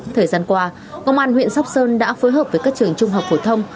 thời gian qua công an huyện sóc sơn đã phối hợp với các trường trung học phổ thông